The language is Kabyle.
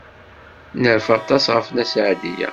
Nerfa aṭas ɣef Nna Seɛdiya.